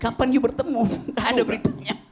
kapan kamu bertemu tidak ada beritanya